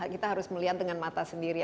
kita harus melihat dengan mata sendiri